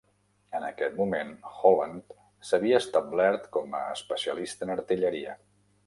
En aquest moment, Holland s'havia establert com a especialista en artilleria.